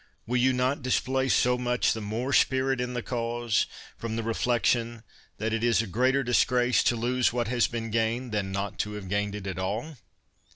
Will you not display so much the more spirit in the cause, from the re flection that it is a greater disgrace to lose what has been gained^ than not to have gained it at all?